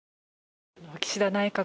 岸田内閣